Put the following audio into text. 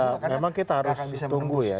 ya memang kita harus tunggu ya